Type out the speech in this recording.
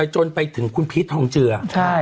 จนไปถึงคุณพีชทองเจือ